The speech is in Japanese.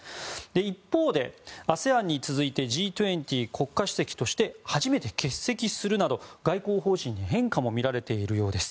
一方でＡＳＥＡＮに続いてＧ２０、国家主席として初めて欠席するなど外交方針に変化も見られているようです。